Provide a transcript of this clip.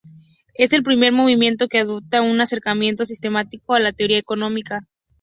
Es el primer movimiento que adopta un acercamiento sistemático a la teoría económica.